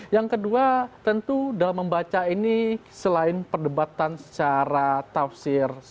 yang kedua tentu dalam membaca ini selain perdebatan secara tafsir